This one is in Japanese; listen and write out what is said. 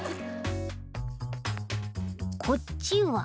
こっちは？